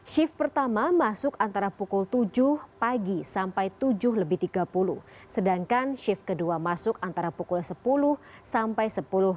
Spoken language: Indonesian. shift pertama masuk antara pukul tujuh pagi sampai tujuh lebih tiga puluh sedangkan shift kedua masuk antara pukul sepuluh sampai sepuluh